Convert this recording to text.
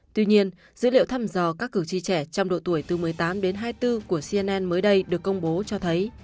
tuy nhiên dữ liệu thăm dò các cử tri trẻ trong độ tuổi từ một mươi tám đến hai mươi bốn của cnn mới đây được công bố cho thấy